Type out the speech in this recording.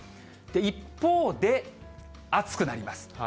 一方で、暑くなります。